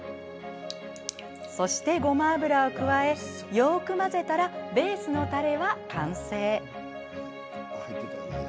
そしてごま油を加えよく混ぜたらベースのたれは完成。